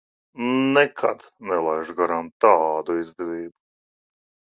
Nekad nelaižu garām tādu izdevību.